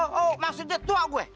oh maksudnya tua gue